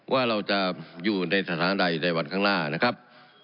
ว่าเราจะอยู่ในสถานใดในวันข้างหน้านะครับ